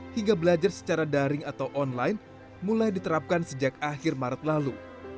hingga belajar secara daring atau online mulai diterapkan sejak akhir maret lalu